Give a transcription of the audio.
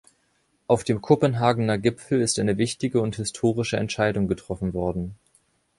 Auf dem Kopenhagener Gipfel ist eine wichtige und historische Entscheidung getroffen worden.